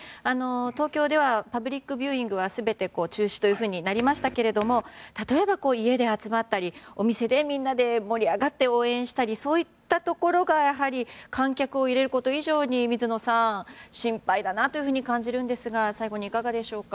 東京ではパブリックビューイングは全て中止というふうになりましたが例えば家で集まったりお店で、みんなで盛り上がって応援したり水野さん、そういったところがやはり観客を入れること以上に心配だなと感じるんですが最後にいかがでしょうか。